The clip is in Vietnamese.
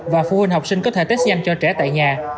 và phụ huynh học sinh có thể test nhanh cho trẻ tại nhà